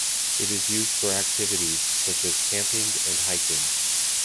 It is used for activities such as camping and hiking.